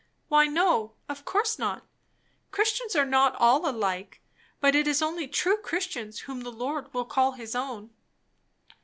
"Why no! Of course not. Christians are not all alike; but it is only true Christians whom the Lord will call his own."